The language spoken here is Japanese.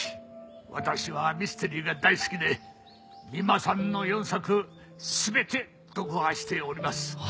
私はミステリーが大好きで三馬さんの４作全て読破しております。